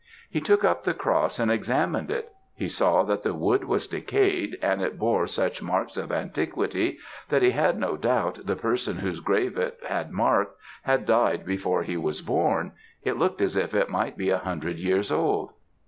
He took up the cross and examined it. He saw that the wood was decayed, and it bore such marks of antiquity, that he had no doubt the person whose grave it had marked had died before he was born it looked as if it might be a hundred years old.